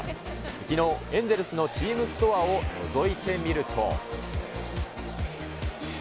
きのう、エンゼルスのチームストアをのぞいてみると。